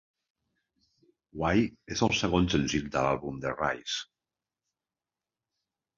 "Why" és el segon senzill de l'àlbum "The Rise".